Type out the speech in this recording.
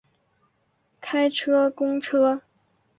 开车公车